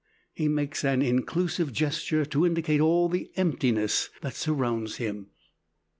He makes an inclusive gesture to indicate all the emptiness that surrounds him.